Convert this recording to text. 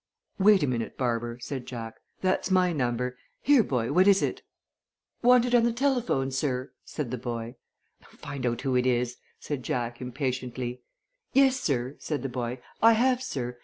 "Wait a minute, Barber," said Jack. "That's my number. Here, boy, what is it?" "Wanted on the telephone, sir," said the boy. "Find out who it is," said Jack, impatiently. "Yes, sir," said the boy. "I have, sir.